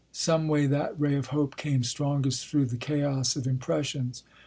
Someway that ray of hope came strongest through the chaos of impressions.